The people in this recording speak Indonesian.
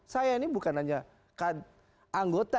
saya ini bukan hanya anggota